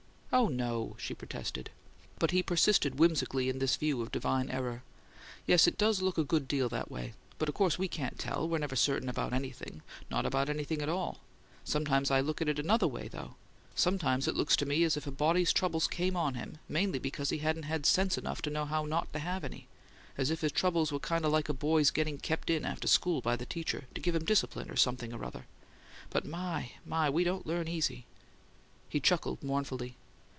"Oh, no!" she protested. But he persisted whimsically in this view of divine error: "Yes, it does look a good deal that way. But of course we can't tell; we're never certain about anything not about anything at all. Sometimes I look at it another way, though. Sometimes it looks to me as if a body's troubles came on him mainly because he hadn't had sense enough to know how not to have any as if his troubles were kind of like a boy's getting kept in after school by the teacher, to give him discipline, or something or other. But, my, my! We don't learn easy!" He chuckled mournfully.